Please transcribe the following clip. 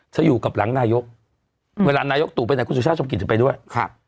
จะอยู่กับหลังนายกเวลานายกตู่ไปไหนคุณสุชาติชมกิจจะไปด้วยครับ